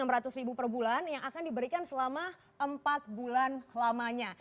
rp enam ratus ribu per bulan yang akan diberikan selama empat bulan lamanya